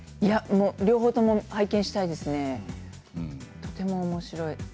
両方とも拝見したいですねとてもおもしろい。